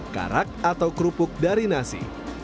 karak atau kerupuk dari nasi